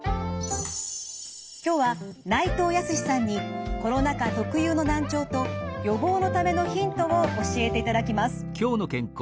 今日は内藤泰さんにコロナ禍特有の難聴と予防のためのヒントを教えていただきます。